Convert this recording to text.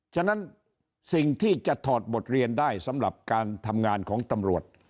ฉะนั้นสิ่งที่จะถอดบทเลียนการทำงานของตำรวจ